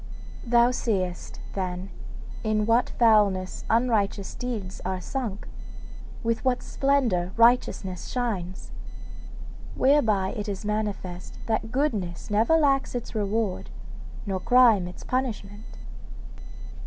'Thou seest, then, in what foulness unrighteous deeds are sunk, with what splendour righteousness shines. Whereby it is manifest that goodness never lacks its reward, nor crime its punishment.